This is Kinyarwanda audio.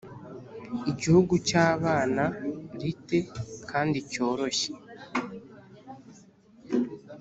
igihugu cyabana lithe kandi cyoroshye,